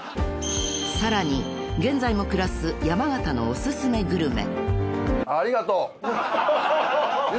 ［さらに現在も暮らす山形のオススメグルメ］